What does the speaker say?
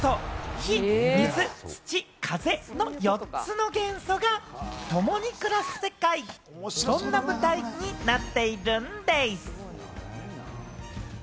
火・水・土・風の４つの元素がともに暮らす世界、そんな舞台になっているんでぃす！